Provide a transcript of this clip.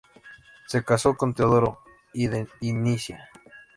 Se casó con Teodoro I de Nicea.